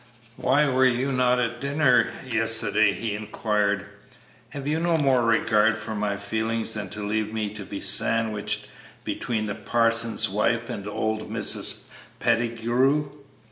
"Why were you not at dinner yesterday?" he inquired; "have you no more regard for my feelings than to leave me to be sandwiched between the parson's wife and old Mrs. Pettigrew?"